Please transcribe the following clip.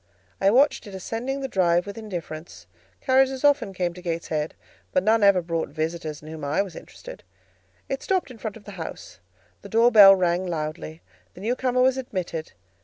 I watched it ascending the drive with indifference; carriages often came to Gateshead, but none ever brought visitors in whom I was interested; it stopped in front of the house, the door bell rang loudly, the new comer was admitted.